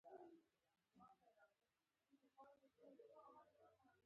چې د ماښام ډوډۍ وخوري.